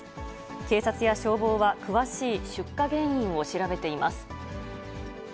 警察や消防は詳しい出火原因を調べています。